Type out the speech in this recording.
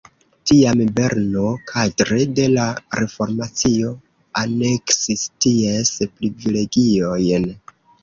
Tiam Berno kadre de la reformacio aneksis ties privilegiojn.